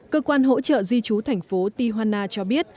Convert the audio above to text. cơ quan hỗ trợ di trú thành phố tihana cho biết